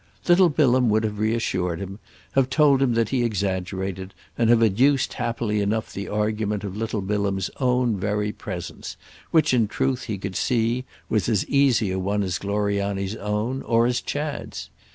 Little Bilham would have reassured him, have told him that he exaggerated, and have adduced happily enough the argument of little Bilham's own very presence; which, in truth, he could see, was as easy a one as Gloriani's own or as Chad's.